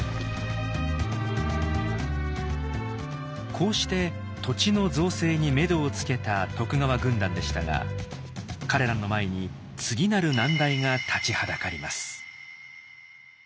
こうして土地の造成にめどをつけた徳川軍団でしたが彼らの前に次なる難題が立ちはだかります。